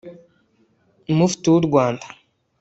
Mufti w’u Rwanda